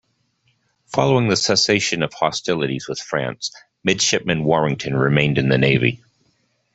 Following the cessation of hostilities with France, Midshipman Warrington remained in the Navy.